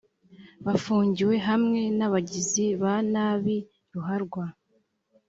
bafungiwe hamwe n’abagizi ba nabi ruharwa